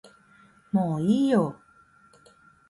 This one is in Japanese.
もういいよ